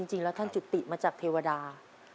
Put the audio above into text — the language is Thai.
จริงแล้วท่านจุติมาจากเทวดา